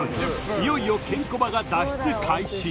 いよいよケンコバが脱出開始